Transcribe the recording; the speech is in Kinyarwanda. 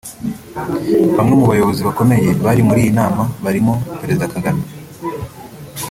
Bamwe mu bayobozi bakomeye bari muri iyi nama barimo Perezida Kagame